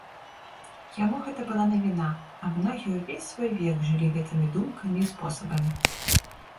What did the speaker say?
Яму гэта была навіна, а многія ўвесь свой век жылі гэтымі думкамі і спосабамі.